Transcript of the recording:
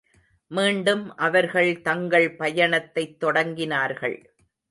மீண்டும் அவர்கள் தங்கள் பயணத்தைத் தொடங்கினார்கள்.